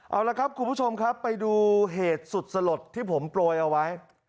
เอาละครับคุณผู้ชมครับไปดูเหตุสุดสลดที่ผมโปรยเอาไว้